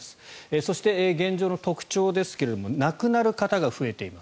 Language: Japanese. そして、現状の特徴ですけれども亡くなる方が増えています。